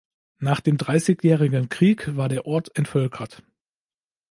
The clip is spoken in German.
Nach dem Dreißigjährigen Krieg war der Ort entvölkert.